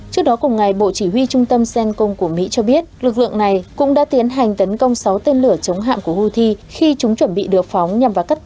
trước đó cùng ngày bộ chỉ huy trung tâm xen cung của mỹ cho biết lực lượng này cũng đã tiến hành tấn công sáu tên lửa chống hạm của houthi khi chúng chuẩn bị được phóng nhằm cắt tàu ở biển đỏ